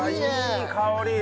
いい香り！